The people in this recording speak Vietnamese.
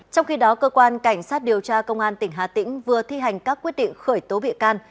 trong khi đó cơ quan cảnh sát điều tra công an tỉnh hà tĩnh vừa thi hành các quyết định khởi tố bị can